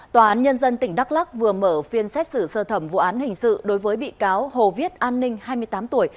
tòa án nhân dân tỉnh đắk lắc vừa mở phiên xét xử sơ thẩm vụ án hình sự đối với bị cáo hồ viết an ninh hai mươi tám tuổi